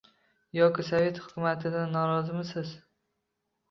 Yoki sovet hukumatidan norozimisiz?